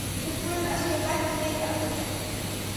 A square in Esquelbecq is named after him.